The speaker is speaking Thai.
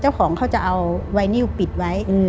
เจ้าของเขาจะเอาไวนิวปิดไว้